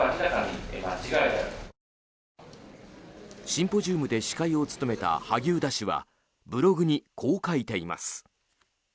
シンポジウムで司会を務めた萩生田氏はブログにこう書いています。